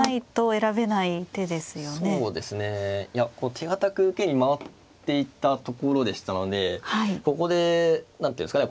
手堅く受けに回っていったところでしたのでここで何ていうんですかね